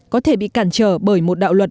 có thể bị cản trở bởi một đạo luật